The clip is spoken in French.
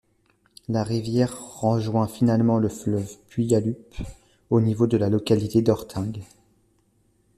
La rivière rejoint finalement le fleuve Puyallup au niveau de la localité d’Orting.